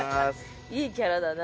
いいキャラだな。